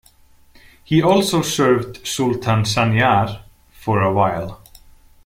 He also served Sultan Sanjar for a while.